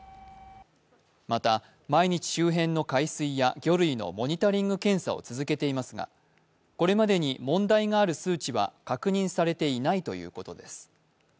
また、毎日周辺の海水や魚類のモニタリング検査を続けていますがこれまでに問題がある数値は確認されていないということです。